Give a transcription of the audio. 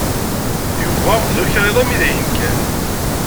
Yuba d ukriḍ armi d ayen kan.